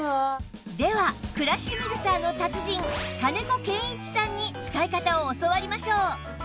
ではクラッシュミルサーの達人金子健一さんに使い方を教わりましょう